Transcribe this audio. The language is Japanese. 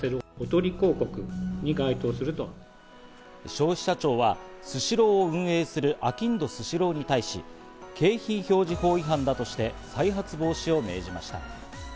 消費者庁はスシローを運営するあきんどスシローに対し、景品表示法違反だとして、再発防止を命じました。